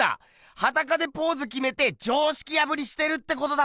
はだかでポーズ決めて常識破りしてるってことだ